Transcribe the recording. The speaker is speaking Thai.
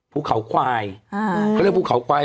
ภูเขาควาย